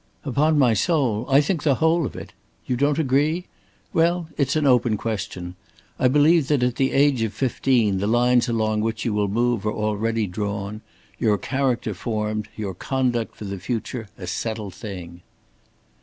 Upon my soul, I think the whole of it. You don't agree? Well, it's an open question. I believe that at the age of fifteen the lines along which you will move are already drawn, your character formed, your conduct for the future a settled thing."